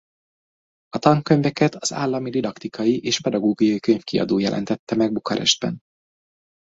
A tankönyveket az Állami Didaktikai és Pedagógiai Könyvkiadó jelentette meg Bukarestben.